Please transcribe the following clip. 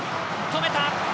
止めた！